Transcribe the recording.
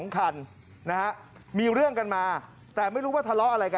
ด้วยยิ่งมาบอสเงียก